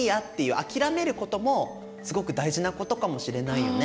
諦めることもすごく大事なことかもしれないよね。